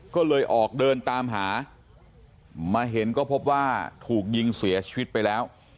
ก็เลยออกเดินตามหามาเห็นก็พบว่าถูกยิงเสียชีวิตไปแล้ว